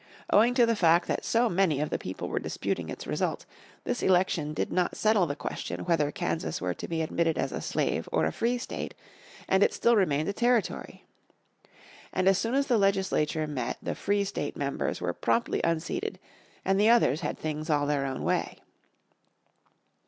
Owing to the fact that so many of the people were disputing its result, this election did not settle the question whether Kansas were to be admitted as a slave or a free state, and it still remained a Territory. And as soon as the legislature met, the "Free State" members were promptly unseated, and the others had things all their own way.